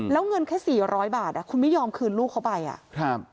แล้วเงินแค่สี่ร้อยบาทอ่ะคุณไม่ยอมคืนลูกเขาไปอ่ะครับ